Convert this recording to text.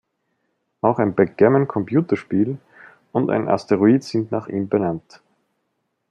Auch ein Backgammon-Computerspiel und ein Asteroid sind nach ihm benannt.